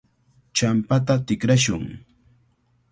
Champata tikrashun.